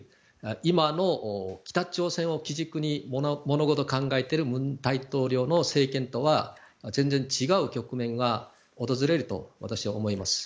今の北朝鮮を基軸に物事を考えている文大統領の政権とは全然違う局面が訪れると私は思います。